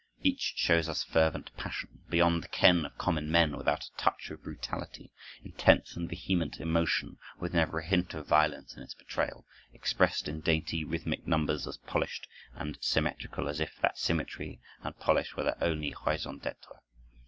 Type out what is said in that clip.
Each shows us fervent passion, beyond the ken of common men, without a touch of brutality; intense and vehement emotion, with never a hint of violence in its betrayal, expressed in dainty rhythmic numbers as polished and symmetrical as if that symmetry and polish were their only raison d'être.